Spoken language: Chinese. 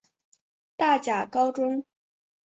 大甲高中